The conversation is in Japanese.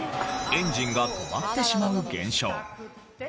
エンジンが止まってしまう現象。